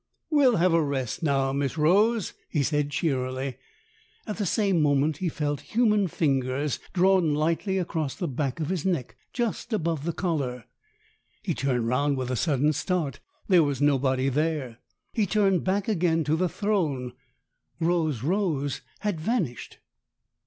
" We'll have a rest now, Miss Rose," he said cheerily. At the same moment he felt human fingers drawn lightly across the back of his neck, just above the collar. He turned round with a sudden start. There was nobody there. He turned back again to the throne. Rose Rose had vanished.